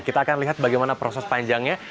kita akan lihat bagaimana proses panjangnya